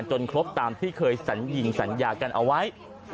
ครบตามที่เคยสัญญิงสัญญากันเอาไว้